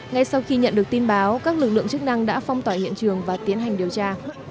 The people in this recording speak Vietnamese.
ngay sau khi nhận được tin báo các lực lượng chức năng đã phong tỏa hiện trường và tiến hành điều tra